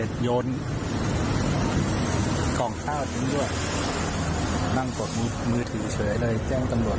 หนังตั้งแต่ปลายแล้วครับ